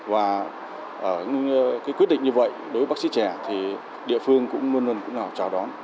và quyết định như vậy đối với bác sĩ trẻ thì địa phương cũng luôn luôn chào đón